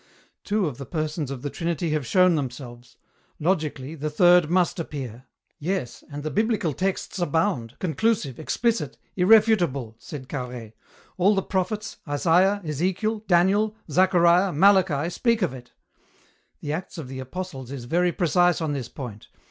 Two of the Persons of the Trinity have shown themselves. Logically the Third must appear." "Yes, and the Biblical texts abound, conclusive, explicit, irrefutable," said Carhaix. "All the prophets, Isaiah, Ezekiel, Daniel, Zachariah, Malachi, speak of it.' The Acts of the Apostles is very precise on this point.